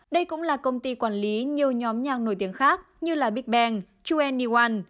đây cũng là công ty quản lý nhiều nhóm nhạc nổi tiếng khác như big bang hai ne một